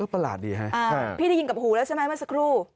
พี่ได้ยินกับหูแล้วใช่ไหมเมื่อสักครู่